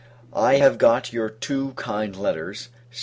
I have got your two kind letters.